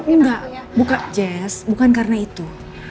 enggak bukan jess bukan karena itu